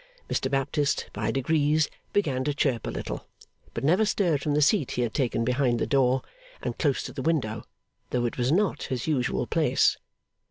Mr Baptist, by degrees began to chirp a little; but never stirred from the seat he had taken behind the door and close to the window, though it was not his usual place.